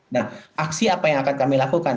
nah aksi apa yang akan kami lakukan